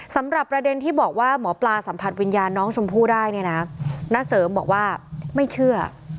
สำหรับประเด็นที่บอกว่าหมอปลาสัมผัสวิญญาณน้องชมพู่ได้เนี่ยนะณเสริมบอกว่าไม่เชื่อ